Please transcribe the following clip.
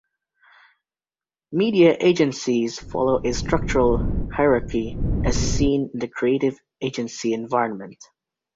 Media Agencies follow a structural hierarchy as seen in the creative agency environment.